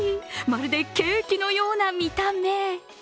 まるでケーキのような見た目。